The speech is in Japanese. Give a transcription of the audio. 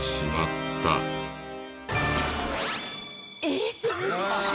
えっ！？